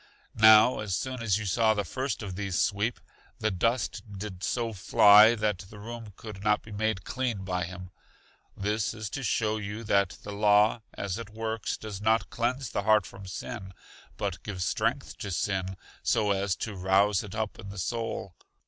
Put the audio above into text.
Now as soon as you saw the first of these sweep, the dust did so fly that the room could not be made clean by him; this is to show you that the law as it works does not cleanse the heart from sin, but gives strength to sin, so as to rouse it up in the soul.